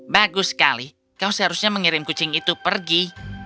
bagus sekali kau seharusnya mengirim kucing itu pergi